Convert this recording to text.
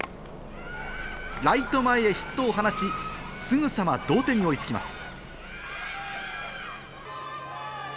ライト前へヒットを放ち、すぐさま同点に追いつきます。